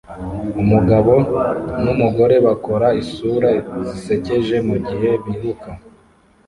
Umugabo numugore bakora isura zisekeje mugihe biruka